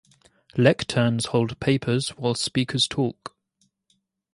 Lecterns hold papers while speakers talk.